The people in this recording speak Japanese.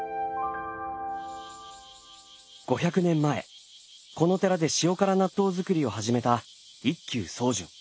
５００年前この寺で塩辛納豆造りを始めた一休宗純。